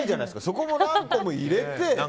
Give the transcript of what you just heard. そこも何個も入れて。